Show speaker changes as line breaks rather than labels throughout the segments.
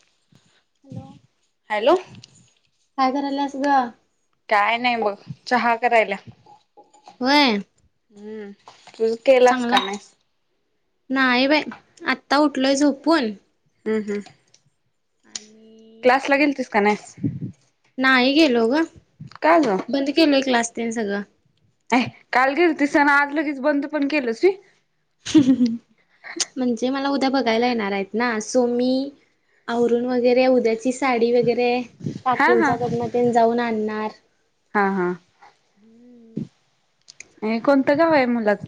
[inaudible]
Hello
hello
काय करायल्यास ग?
काय नाही बघ चहा करायल्या.
होय.
हम्म तु केलास का नाही?
नाही बाई आता उठलोय झोपून.
हम् हम्.
[inaudible] [unintelligible]
ऑफिसला गेलतीस का नाहीस?
नाही गेलो ग.
का ग?
बंद केलंय क्लास तिनं सगळं.
हे काल गेलतीस आणि आज लगेच सगळं बंद पण केलंस वी
[unintelligible] म्हणजे मला उद्या बघायला येणार आहेत ना सो मी आवरून वगैरे उद्याची साडी वगैरे
हा हा
काकींच्याकडनं ते जाऊन आणणार.
हा हा आणि कोणतं गाव आहे मुलाच?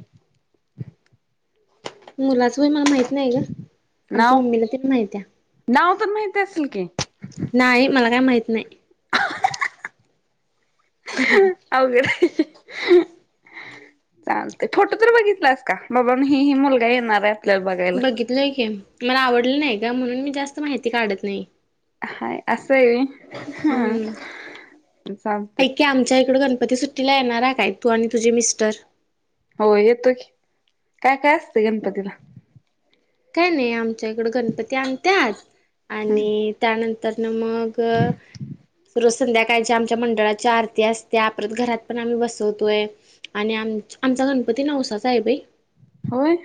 मुलाचं वय मला माहित नाही ग.
नाव
आमच्या मम्मीला तेवढं माहीत हाय
नाव तर माहिती असेल की
नाही मला काय माहित नाही.
अवघड हाय. चालते फोटो तर बघितलास का? बाबा मी ही ही मुलगा येणार आहे. तला बघायला
लय की मला आवडलं नाही का म्हणून मी जास्त माहिती काढत नाही.
हाय असं हाय हा चालतंय.
ते आमच्या इकडे गणपती सुट तिला येणारा काय, तू आणि तुझे मिस्टर‌.
हो येतो की, काय काय असतंय गणपतीला.
काय नाही, आमच्या इकड गणपती आणत्यात
हम्म
आणि त्यानंतर, त्यात मग रूस संध्याकाळच्या आमच्या मंडळाची आरती असते परत घरात पण आम्ही बसवतोय. आणि, आम- आमचा गणपती नवसा चा आहे बाई.
होय.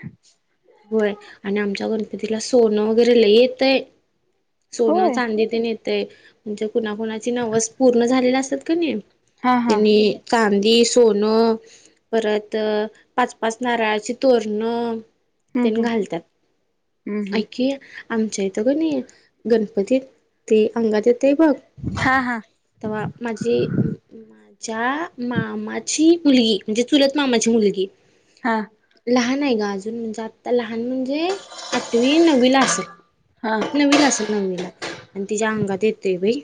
वय आणि आमच्या गणपतीला सोनं वगैरे लय येत आहे. सोनं
होय
चांदी तेन येतंय म्हणजे, कुणाकुणाची नवस पूर्ण झालेली असतात कणी.
हा हा
त्यांनी चांदी, सोनं परत पाच, पाच नारळाचे तोरण
हम्म
तेन
हम्म
घालतात.
हम्म हम्म
ऐकी आमच्या इथे कोणी गणपती ते अंगात येतय बघ.
हा हां.
तव्हा माझी. माझ्या मामाची मुलगी म्हणजे, चुलत मामाची मुलगी.
हा.
लहान आहे गं अजून म्हणजे, आत्ता लहान म्हणजे आठवी नववी ला असलं.
हा
नवीला असल नवीला आणि, तिच्या अंगात येतय बाई.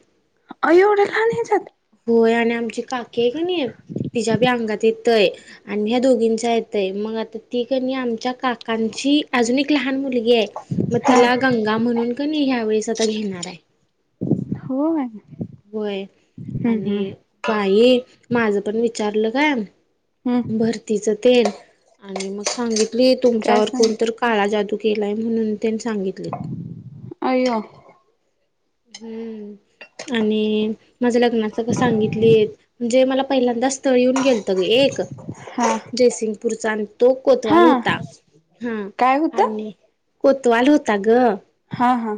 अ एवढं का नाही जात?
होय, आणि आमची काकी आहे कणी, तिच्या बी अंगात येतंय. आणि ह्या दोघींचा येतय मग आता ती क नी आमच्या काकांची अजून एक लहान मुली ये मग
हा
तिला, गंगा म्हणून कणी ह्या वेळेस आता घेणार आहे.
होय.
होय, आणि बाई माझ पण विचारलं काय.
हम्म
भरतीचा तेन आणि मग सांगितली
काय
तुमच्यावर
सांग
कोणतर काळा जादू केला आहे, म्हणून त्यांनी सांगितले.
अयो.
हम्म, आणि माझ्या लग्नात. सांगितली म्हणजे, मला पहिल्यांदा स्थळ येऊन गेलत गं एक.
हां.
जयसिंगपूरचा आणि तो कोतवाल होता, हां...
काय होतं
आणि कोतवाल होता गं.
हा हा.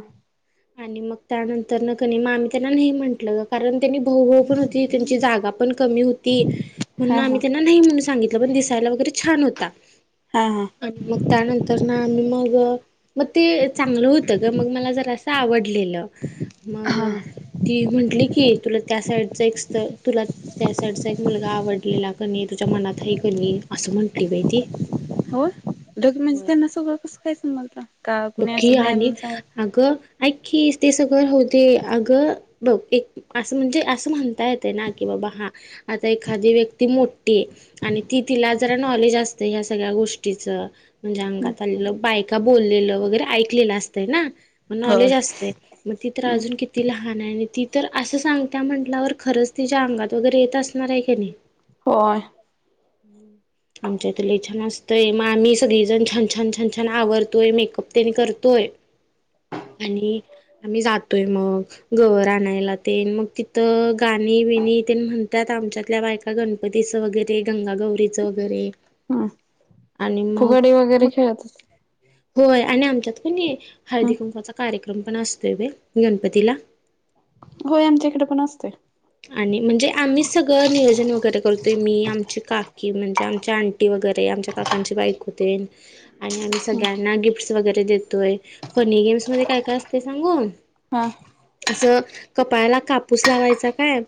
आणि मग त्यानंतर कणी आम्ही त्यांना नाही म्हंटलं, कारण त्यांनी भाऊ भाऊ पण होती त्यांची जागा. पण कमी होती म्हणुन
हा हा
आम्ही त्यांना नाही म्हणून सांगितलं पण दिसायला वगैरे छान होता.
हा हा.
आणि मग त्यानंतर ना मग मग, ते चांगलं होतं गं मग मला जरा असं. आवडलेलं मग,
हा
ती म्हंटली की, तुला त्या साईडच एकस्थळ तुला. त्यासाइडचा एक मुलगा आवडलेला क नी तुझ्या मनात हाय क नी असं म्हंटली बाई ती.
होय ढग म्हणजे
होय
त्यांना सगळं कसं काय समजलं का कुणी
बघकी
असं
आणि
बाहेरून सांग
अगं ऐक की ते, सगळं राहू दे अगं बघ एक. असं म्हणजे असं म्हणता येते ना, की बाबा हा आता एखादी व्यक्ती मोठी ये. आणि ती तिला जरा नॉलेज असते, ह्या सगळ्या गोष्टीचं. म्हणजे अंगात आलेलं, बायका बोलेलं वगैरे ऐकलेलं असतं ना मग
होय
नॉलेज असते. म ती तर अजून किती लहान आहे आणि ती तर असं सांगता म्हटल्यावर खरंच तिज्या अंगात वगैरे येत अस नाराय कनी
होय.
हम्म. आमच्या इथ ले छान असतंय, मग आम्ही सगळी जण छान छान छान छान आवरतोय. मेकअप तेन करतोय. आणि आम्ही जातोय मग. गवर आणायला तेन मग तिथं गाणी विणी ते म्हणत्यात आमच्यातल्या बाय अ गणपतीचं वगैरे गंगागौरीचं बरे
हम्म
आणि मग.
फुगडी वगैरे खेळत
होय. आणि आमच्यात कणी, हळदी कुंकू चा कार्यक्रम पण असतोय बाई गणपतीला.
होय आमच्या इकडे पण असतोय.
आणि म्हणजे आम्हीचं सगळं नियोजन वगैरे करतोय मी आमची काकी म्हणजे आमच्या आण टी वगैरे आमच्या काकांची बाईकतेन आणि आम्ही सगळ्यांना गिफ्टस वगैरे देतोय फनी गेम्स मध्ये काय-काय असते सांगून
हां.
असं कपाळायेला कापूस लावायचा काय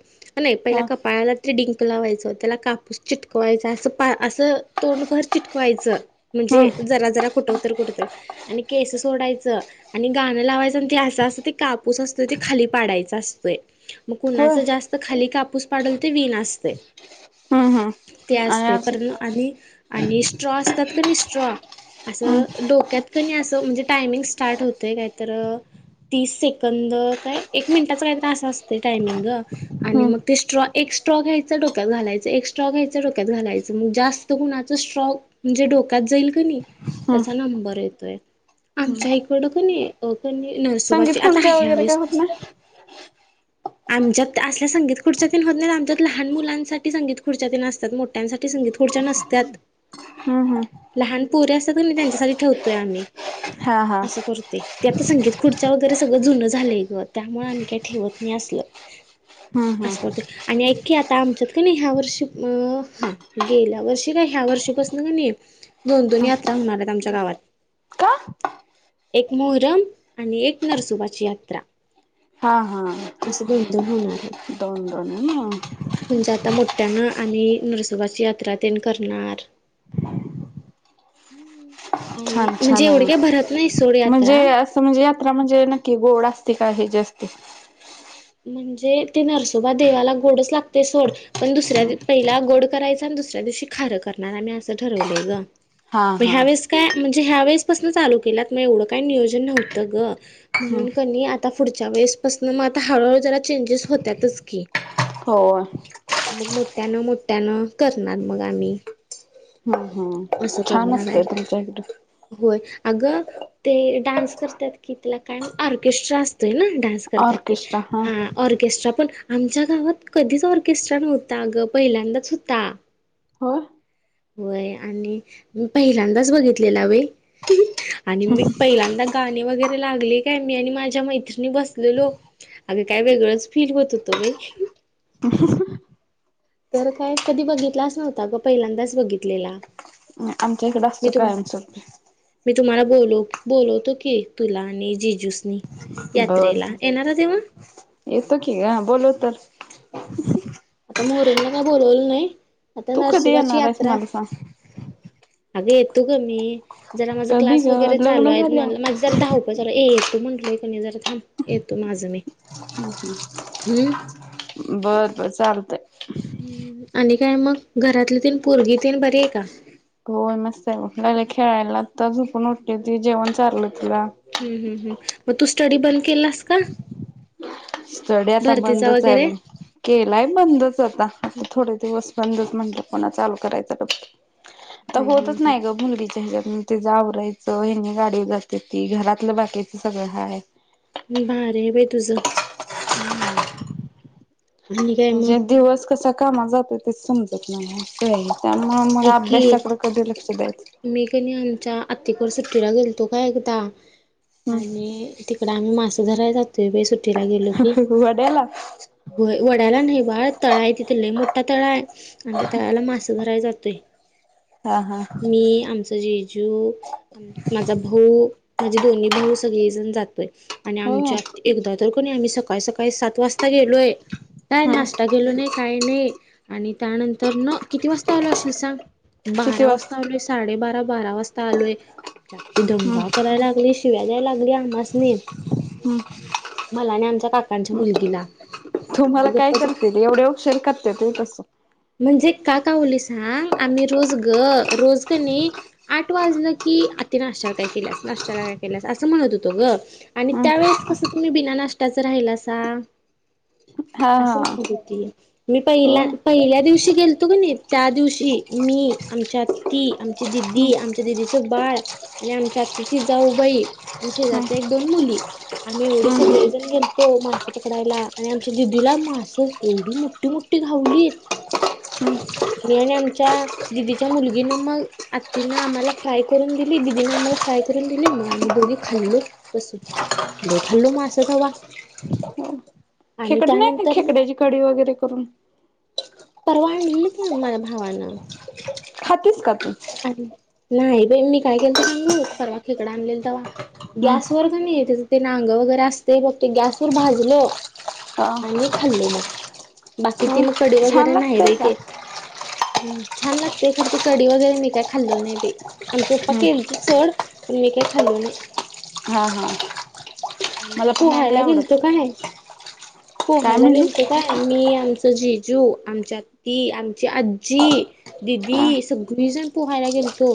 नाही पहिला
हा
कपाळाला ते डिंक लावायचं त्याला कापूस चिटकवायचा असं पा असं तोंडभर चिटकवायचं.
हम्म
म्हणजे जरा-जरा कुठं तर कुठं तर आणि केस सोडायचं. आणि गाणं लावायचं आणि ते असं असते कापूस असतोय ते खाली पाडायचा असतोय मग को च
होय
जास्त खाली कापूस पाडल ते विना असतय.
हम्म हम्म
ते
आणि
असते
असं
पर आणि आणि स्ट्रॉ असतात का नाही स्ट्रॉ
हम्म
असं डोक्यात क नी असं म्हणजे टायमिंग स्टार्ट होतय काय तर तीस सेकंद काय एक मिनटाचा काही तर असा असतोय टायमिंग आणि
हम्म
मग ते स्ट्रॉ एक स्ट्रॉ घ्यायचं डोक्यात घालायच, एक स्ट्रॉ घ्यायचं डोक्यात घालायचं मग जास्त कुणाचं स्ट्रॉ. म्हणजे डोक्यात जाईल क नी
हम्म
त्याचा
हम्म
नंबर येतोय आमच्या इकडं क नी अ क नी
संगीत
नरसोबाची आता
खुर्च्या
ह्या
वगैरे काय
वेळेस
होत नाही
आमच्यात ते असल्या संगीत खुर्च्यातेन होत नाहीत आमच्या लहान मुलांसाठी संगीत खुर्च्या तेन असत्यात मोठ्यांसाठी संगीत खुडच्या नसत्यात. ह
हां हां.
लहान पोरे असतात क नी त्यांच्यासाठी ठेवतोय आम्ही
हा हा
असं करते. ते आता संगीत खुर्च्या वगैरे सगळं जुन झालंय गं त्यामुळे आम्ही काही ठेवत नाही असलं.
हम्म हम्म
असं करतोय. आणि ऐखी आता आमच्यात क नी ह्या वर्षी उम्म हा गेल्या वर्षी काय ह्या वर्षीपासून क नी. दोन-दोन यात्रा होणार आहेत आमच्या गावात.
का
एक मोहरम आणि एक नरसुबाची यात्रा. असं दोन-दोन होणार. आहेत.
दोन-दोन हे ना.
म्हणजे आता मोठ्यानं आणि नरसोबाची यात्रा तेन करणार. आणि
छान
म्हणजे एवढक्या भरत नाही सोडयात्रा.
स म्हणजे यात्रा म्हणजे नक्की गोड असते का हेज असते.
म्हणजे ते नरसोबा देवाला गोडच लागते सोड. पण दुसऱ्या पहिला गोड करायचा, आणि दुसऱ्या दिवशी खारं करणार आम्ही असं ठरवलंय गं.
हा
म
हा
ह्या वेळेस काय म्हणजे ह्या वेळेसपसननं चालू केलात मग एवढं काही नियोजन नव्हतं गं.
हम्म
म्हणून कनी आता पुढच्या वेळेसपसूनं म आता हळूहळू जरा चेंजेस होत्यातच की.
हो.
मग मोठ्यानं मोठ्यानं करणार मग आम्ही.
हम्म हम्म
असं
छान
करणार आहे
असतंय तुमच्या इकडे.
होय अगं ते डान्स करत्यात की तिला काय ऑर्केस्ट्रा असतोय ना डान्स. करतात ते
ऑर्केस्ट्रा हं.
हा ऑर्केस्ट्रा पण आमच्या गावात कधीच ऑर्केस्ट्रा नव्हता गं पहिल्यांदाच होता.
हो.
होय आणि मी पहिल्यांदाच बघितलेला बाई. आणि मी पहिल्यांदा गाणी वगैरे लागले काय मी आणि माझ्या मैत्रिणी बसलेलो अगं काय वेगळंच फील होत होतो बाई.
[unintelligible]
तर काय कधी बघितलाच नव्हता ग पहिल्यांदाच बघितलेला.
आमच्या इकडं असतं
मी तुम
कायमच.
मी तुम्हाला बोल बोलवतो की तुला आणि जिजूसनी.
बर
यात्रेला येणारा तेव्हा
येतो की ग बोलो तर
आता मोहरमला काय बोलवलं नाही आता
तू कधी
नरसुबाची
येणार आहेस
यात्रा
मला सांग
अगं येतो ग मी जरा माझा
कधी
क्लास
ग
वगैरे चालू
लग्न
आहे म्हणलं
झाल्यावर
माझे जरा धावपळ चालू ये तू म्हंटलय कणी जरा थांब येतो माझं मी. हम्म
बर बर चालतय.
हम्म आणि काय मग घरातली तेन पोरगी तेन बरी आहे का?
होय, मस्त आहे लागले खेळायला आता झुपून उठली ती जेवण चारलं तिला.
हम्म हम् हम् मग तू स्टडी बंद केलास का?
स्टडी आता
भरतीचा
बंदच आहे
वगैरे
मग.
हा
केलाय बंदच आता आता थोडे दिवस बंदच म्हंटलं पुन्हा चालू करायचं आता
ह [unintelligible]
तर होतच नाही ग मुलगीच्या ह्याच्यातन. तीच आवरायचं हेनी गाडीला असते ती घरातलं बाकीचं सगळं हाय.
भारी आहे बाई तुझं. आणि काय मग
म्हणजे दिवस कसा कामात जातो तेच समजत नाही केलेला. त्यामुळे मग
ऐक की
आभ्यासाकडं कधी लक्ष द्यायचं
मी कणी आमच्या आतीकड सुट्टीला गेलतो काय एकदा
हम्म
आणि तिकड आम्ही मास धरायला जातोय बाई सुट्टीला गेलो की.
वड्याला
व्हयं वड्याला नाही बाळ तळा आहे तिथ लय मोठा तळा आहे, आणि त्या तळ्याला मास धरायला जातोय.
हा हा.
मी आमचा जिजू माझा भाऊ माझे दोन्ही भाऊ सगळेजण जात आणि
होय.
आमच्या एकदा तर कणी आम्ही सकाळी सकाळी सात वाजता गेलोय काय
हम्म
नाश्ता गेलो नाही काही नाही आणि, त्यानंतर न किती वाजता आलो असेल सांग
किती
बारा
वाज
वाजता. साडे बारा बारा वाजता आलोय आमची आती
हम्म
दंगा करायला लागली. शिव्या द्याय लागली आमासनी.
हम्म
मला आणि आमच्या काकांच्या मुलगीला मी गप्पच
एवढ्या उशीर करत्यात होय कसं
म्हणजे का कावलोय सांग आम्ही रोज ग रोज कणी आठ वाजलं की आत्ती नाश्त्याला काय केल्यास नाश्त्याला काय केल्यास असं म्हणत होतो ग. आणि
हम्म
त्यावेेळेस कसं तुम्ही बिना नाश्टाच राहिला सा
हा हा
असं म्हणत होती मी
हो
पहिला
हम्म
पहिल्या दिवशी गेलतो कणी, त्या दिवशी मी आमच्यात. ती आमची दिदी आमच्या दिदीचं बाळ आणि आमच्या आतीची जाऊबाई आणि
हम्म
शेजारच्या एक दोन मुली आम्ही एवढे
हम्म
सगळे जण
हम्म
गेलतो मासे पकडायला, आणि आमच्या दिदीला मासं एवढी मोठं यी मोठी घावली.
हम् [unintelligible]
मी आणि आमच्या दिदीच्या मुलगीन मग आती न आम्हाला फ्राय करून दिली दिदीनं आम्हाला फ्राय करून दिली मग आम्ही दोघी खाल्लो. बस लय खाल्लो मास तवा
हो
आणि
खेकड नाही का
त्यानंतर
खेकड्याची कडी वगैरे करून
परवा आणलेली की माझ्या भावानं.
खातेस का तू?
नाही बाई मी काय केलतो सांगू परवा खेकडं आणलेल तवा
हम्म
गॅसवर का नाही त्याचं ते नांग वगैरे असते बघ, ते गॅसवर भाजलं
हा
आणि खाल्लो मग, बाकी ती
हो
मग कडी
छान
वगैरे नाही
लागतय
बाई
का
ते. हम्म छान लागते खरं ती कडी वगैरे मी काय खाल्लो नाही बी आणि चोप्पा
हम्म
केलतं. सोड मी काय खाल्लो नाही.
हा. हा.
आणि मी
मला पण नाही बाई
पोहायला
आवडत
गेलतो काय?
काय
पोहायला
म्हणली
गेलतो. काय मी आमचं जिजू आमची आत्ती, आमची आजी
हा
दिदी सगळीजण पोहायला गेलतो.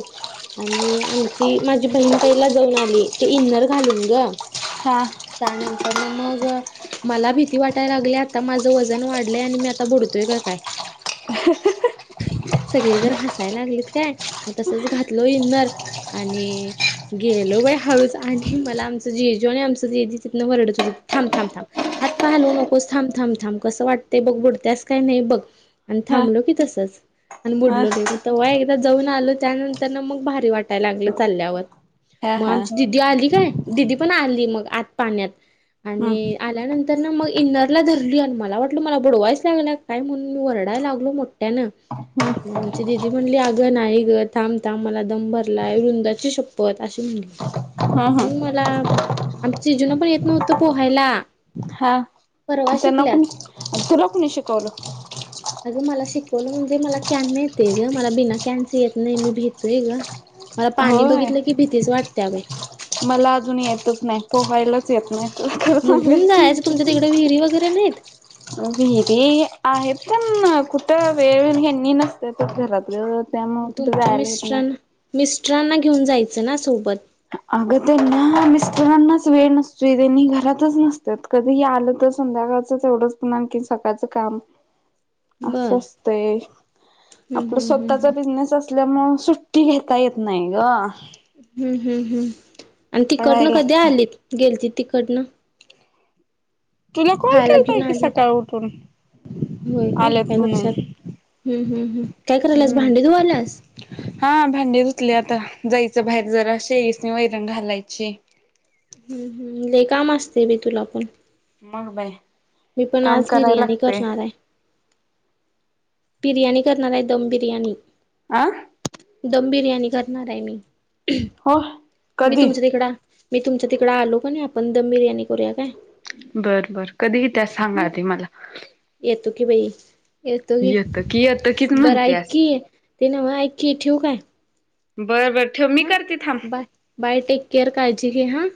आणि आमची माझी बहीण पहिला जाऊन आली ते इन्नर घालून गं.
हा.
त्यानंतर ना मग मला भीती वाटायला लागली आता माझं वजन वाढलंय आणि मी आता बुडतोय का काय.
[unintelligible]
सगळी जण हसायला लागलीत काय म तसच घातलो इन्नर. आणि गेलो बाई हळूच आणि मला आमचं जे जो आणि आम [unintelligible] तिथनं ओरडत होते थांब थांब थांब. हात पाय हालवू नकोस थांब, थांब, थांब कसं वाटतंय बघ बुडत्यास का नाय बघ पहिला. आणि
हा
थांबलो की तसंच. आणि
हा
बुडलो नाही मग तव्हा एकदा जाऊन आलो, त्यानंतर ना मग भारी वाटायला लागलं चालल्यावर.
हा
म
हा
आमची दिदी आली काय दिदी पण आली मग आत पाण्यात.
हम्म
आणि आल्यानंतर ना मग इन्नरला धरली आणि मला वाटलं मला बुडवायच लागल्या. काय म्हणून मी वरडाय लागलो मोठ्यानं.
हम्म
मग, आमची दिदी म्हणली आगं नाही गं थांब, थांब मला दम भरलाय वृंदाची शपथ
हम्म
[unintelligible]
हम्म
मला आमची जूनं पण येत नव्हतं पोहायला.
हा.
परवा
त्यांना
शिकल्यात
कोणी तुला कोणी शिकवलं.
अगं मला शिकवलं म्हणजे मला कॅन न येतोय ग बिना कॅन् च नाही येत मी भितोय ग. मला पाणी
होय
बघितलं की भीतीच वाटत्या बाई.
मला अजून येतच नाही पोहायला चे येत नायतर खरच
मग घेऊन
सांगायचं मग
जायचं
ते.
तुमच्या तिकडे विहिरी वगैरे नाहीत
विहिरी आहेत पण कुठं वेळ ह्यांनी नसत्यात घरात गं. त्यामुळे कुठे
तुमच्या
जायला येत नाय.
मिस्टरांना मिस्टरांना घेऊन जायचं ना सोबत.
अगं त्यांना मिस्टरांनाच वेळ नसतोय त्यांनी घरातच नसतात. कधीही आलं तर संध्याकाळचच एवढंच पुन्हा आणखी सकाळच काम.
[inaudible]
असं
बर
असतय
हम्म
आपला
हम्म
स्वतःचा
हम्म
बिजनेस अस तल्या म सुट्टी घेता येत नाय गं.
हम्म. हम्म. हम्म. आणि तिकडनं
पळायला
कधी
लागत
आलीत गेलतीत तिकडंण.
तुला कॉल
खायला
केलताय
घेऊन
की
आले
सकाळ उठून.
होय काय
आलेत
काय
म्हणून
लक्षात हम्म हम्म काय करायलास
हम्म
भांडी धुवायलास.
हा भांडे धुतले आता जायचं बाहेर [unintelligible] नी वैरण घालायची.
हम्म हम्म लई काम असते बी तुला पण.
मग बाय
मी पण
काम
आज
कराय
बिर्याणी
लागते.
करणार आहे बिर्याणी करणार आहे दम बिर्याणी.
आं.
दम बिर्याणी करणार आहे मी
हो
मी
कधी
तुमच्या तिकडं मी तुमच्या तिकडं आलो क नाय आपण दम बिर्याणी करूया काय.
बर, बर कधी इतयास सांग
हम्म
आधी मला.
येतो की बाई येतो की.
तकियत
बरं ऐकी ते ना म ऐकी ठेवू काय?
बरं बर ठेव मी
हा
करते थांब.
बाय बाय टेक केअर काळजी घे हा.